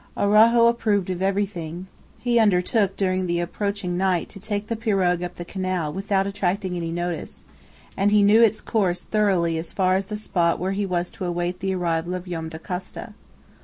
Araujo approved of everything; he undertook during the approaching night to take the pirogue up the canal without attracting any notice, and he knew its course thoroughly as far as the spot where he was to await the arrival of Joam Dacosta.